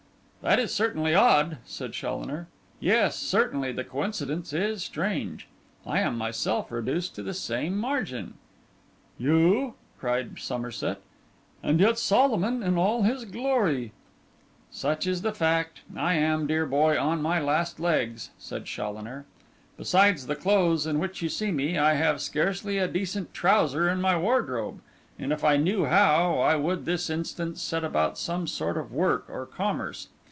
'That is certainly odd,' said Challoner; 'yes, certainly the coincidence is strange. I am myself reduced to the same margin.' 'You!' cried Somerset. 'And yet Solomon in all his glory—' 'Such is the fact. I am, dear boy, on my last legs,' said Challoner. 'Besides the clothes in which you see me, I have scarcely a decent trouser in my wardrobe; and if I knew how, I would this instant set about some sort of work or commerce.